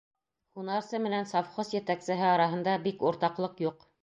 Һунарсы менән совхоз етәксеһе араһында бик уртаҡлыҡ юҡ.